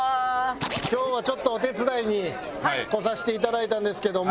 今日はちょっとお手伝いに来させていただいたんですけども。